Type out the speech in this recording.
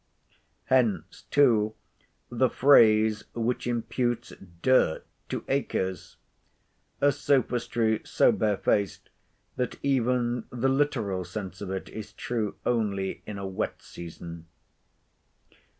Hence, too, the phrase which imputes dirt to acres—a sophistry so barefaced, that even the literal sense of it is true only in a wet season.